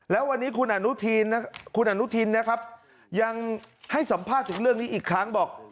แล้ววันนี้คุณอนุทินนะครับยังให้สัมภาษณ์ถึงเรื่องนี้อีกครั้งบอก